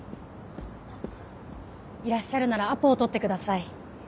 いらっしゃるならアポを取ってください。